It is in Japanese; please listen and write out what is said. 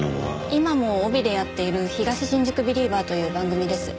今も帯でやっている『東新宿ビリーバー』という番組です。